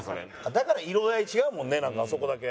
だから色合い違うもんねなんかあそこだけ。